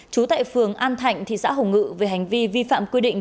trú tại phường an thạnh thị xã hồng ngự về hành vi vi phạm quy định